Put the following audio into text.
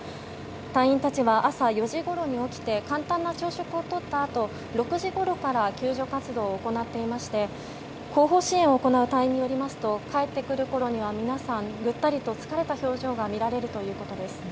隊員たちは朝４時ごろに起きて簡単な朝食をとったあと６時ごろから救助活動を行っていまして後方支援を行う隊員によりますと帰ってくるころには皆さん、ぐったりと疲れた表情が見られるということです。